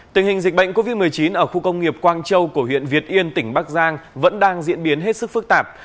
tình hình dịch bệnh covid một mươi chín ở khu công nghiệp quang châu của huyện việt yên tỉnh bắc giang vẫn đang diễn biến hết sức phức tạp